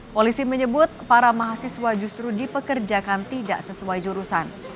polisi menyebut para mahasiswa justru dipekerjakan tidak sesuai jurusan